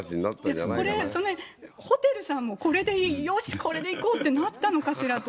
これ、ホテルさんも、これで、よし、これでいこうってなったのかしらと。